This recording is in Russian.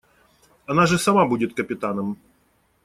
Она же сама будет капитаном.